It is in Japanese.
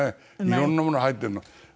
いろんなもの入ってるの。